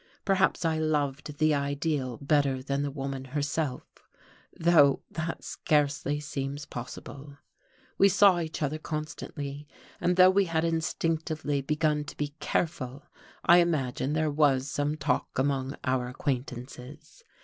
Perhaps I loved the ideal better than the woman herself, though that scarcely seems possible. We saw each other constantly. And though we had instinctively begun to be careful, I imagine there was some talk among our acquaintances.